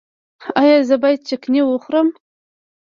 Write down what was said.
ایا زه باید چکنی وخورم؟